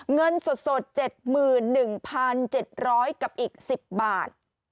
เงินสด๗๑๗๐๐กับอีก๑๐บาท